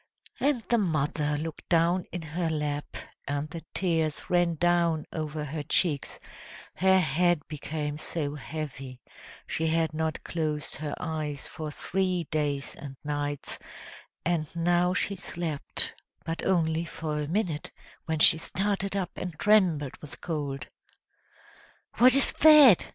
And the mother looked down in her lap, and the tears ran down over her cheeks; her head became so heavy she had not closed her eyes for three days and nights; and now she slept, but only for a minute, when she started up and trembled with cold. "What is that?"